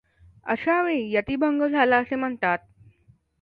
अशा वेळी यतिभंग झाला असे म्हणतात.